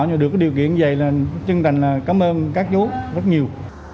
nhưng mà được điều kiện như vậy là chân thành cảm ơn các chú rất nhiều